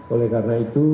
oleh karena itu